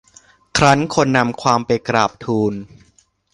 ครั้นคนนำความไปกราบทูล